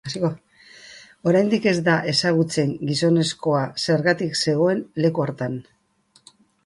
Oraindik ez da ezagutzen gizonezkoa zergatik zegoen leku hartan.